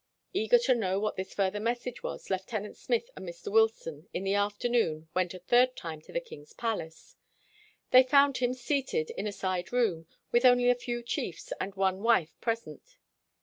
Eager to know what this further message was, Lieutenant Smith and Mr. Wilson in the afternoon went a third time to the king's palace. They found him seated in a side room with only a few chiefs and one wife present.